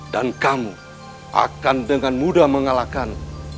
dan kamu akan dengan mudah mencapai tujuan